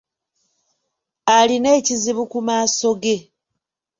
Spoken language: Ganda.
Alina ekizibu ku maaso ge.